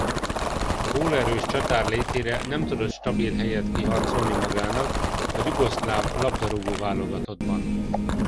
Gólerős csatár létére nem tudott stabil helyet kiharcolni magának a Jugoszláv labdarúgó-válogatottban.